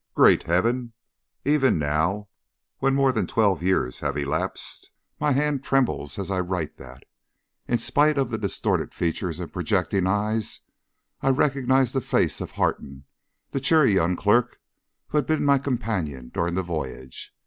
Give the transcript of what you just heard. Great Heaven! even now, when more than twelve years have elapsed, my hand trembles as I write that, in spite of distorted features and projecting eyes, I recognised the face of Harton, the cheery young clerk who had been my companion during the voyage.